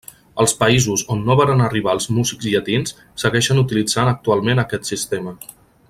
Els països on no varen arribar els músics llatins segueixen utilitzant actualment aquest sistema.